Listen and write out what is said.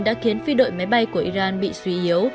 đã khiến phi đội máy bay của iran bị suy yếu